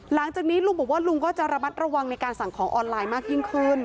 หลังจากนี้ลุงบอกว่าลุงก็จะระมัดระวังในการสั่งของออนไลน์มากยิ่งขึ้น